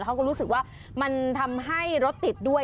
เขาก็รู้สึกว่ามันทำให้รถติดด้วย